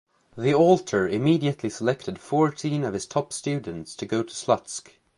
The Alter immediately selected fourteen of his top students to go to Slutsk.